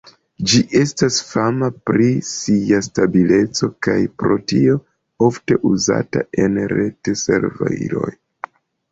Ĝi estas fama pri sia stabileco, kaj pro tio ofte uzata en ret-serviloj.